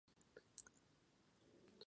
Juan regresó pronto a Inglaterra.